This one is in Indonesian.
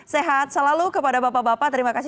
sehat selalu kepada bapak bapak